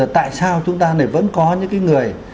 tại sao chúng ta này vẫn có những người